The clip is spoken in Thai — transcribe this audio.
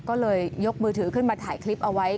ก็เลยยกมือถือขึ้นมาถ่ายคลิปเอาไว้